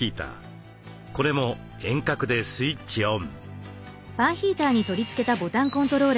これも遠隔でスイッチオン。